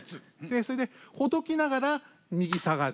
それでほどきながら右下がる。